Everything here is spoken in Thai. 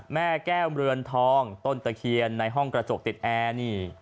แม่แก้วเรือนทองต้นตะเคียนในห้องกระจกติดแอร์นี่